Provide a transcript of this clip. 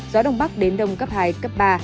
gió đông bắc đến đông cấp hai cấp ba